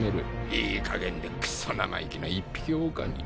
いいかげんでクソ生意気な一匹おおかみ。